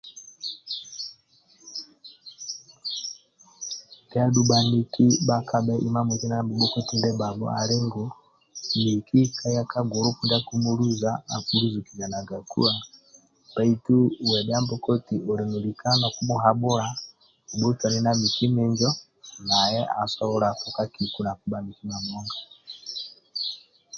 Ndia adhu bhaniki bhakabhe imamoti na bhabhoti ndibhabho ali ngu miki kaya ka gulupu ndia akimululuza akiluzukilianagakuwa bhaitu uwe bhia mbokoti ali na lika nokumuhabhula obhotuane naye miki minjo naye asoboli tukakiku nakibha miki nabhonga